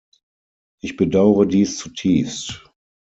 Ich bedaure dies zutiefst!